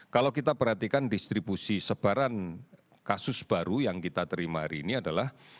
kalau kita perhatikan distribusi sebaran kasus baru yang kita terima hari ini adalah